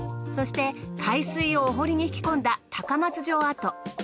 そして海水をお堀に引きこんだ高松城跡。